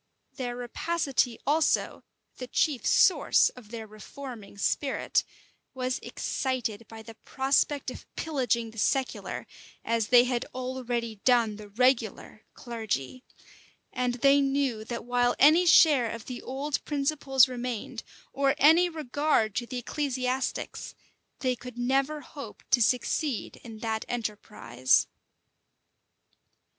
[*] Their rapacity also, the chief source of their reforming spirit, was excited by the prospect of pillaging the secular, as they had already done the regular clergy; and they knew that while any share of the old principles remained, or any regard to the ecclesiastics, they could never hope to succeed in that enterprise. * Goodwin's Annals. Heylin.